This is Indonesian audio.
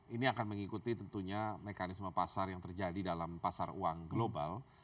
ini akan mengikuti tentunya mekanisme pasar yang terjadi dalam pasar uang global